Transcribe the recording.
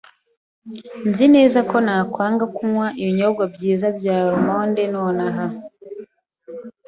Nzi neza ko ntakwanga kunywa ibinyobwa byiza bya almonde nonaha.